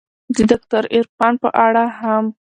د داکتر عرفان په اړه هم